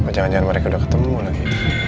jangan jangan mereka udah ketemu lagi